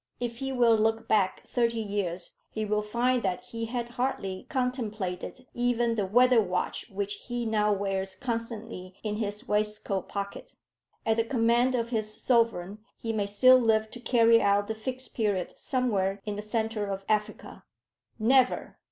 If he will look back thirty years, he will find that he had hardly contemplated even the weather watch which he now wears constantly in his waistcoat pocket. At the command of his Sovereign he may still live to carry out the Fixed Period somewhere in the centre of Africa." "Never!"